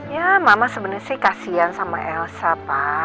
ya mama sebenarnya sih kasian sama elsa pak